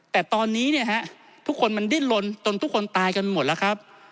แต่ตอนนี้เนี่ยฮะทุกคนมันดิ้นลนจนทุกคนตายกันหมดแล้วครับ